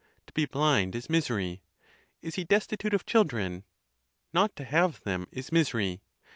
to be blind is misery. Is he destitute of children? not to have them is misery.